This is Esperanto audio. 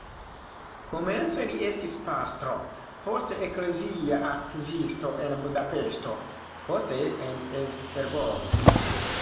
Komence li estis pastro, poste eklezia arkivisto en Budapeŝto, poste en Esztergom.